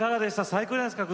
最高じゃないですか？